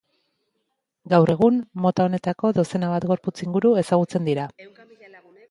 Gaur egun, mota honetako dozena bat gorputz inguru ezagutzen dira.